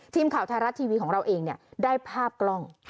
ทีมข่าวไทยรัฐทีวีของเราเองได้ภาพกล้อง